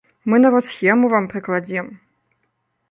Мы нават схему вам прыкладзем.